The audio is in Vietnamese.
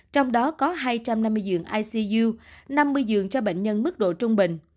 trong đó có hai trăm năm mươi giường icu năm mươi giường cho bệnh nhân mức độ trung bình